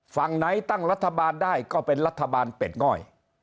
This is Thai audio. ฝั่งไหนตั้งรัฐบาลได้ก็เป็นรัฐบาลเป็ดง่อย